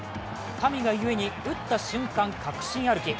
神がゆえに打った瞬間確信歩き。